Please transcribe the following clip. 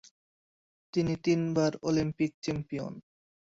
তিনি তিনবারের Olympic champion.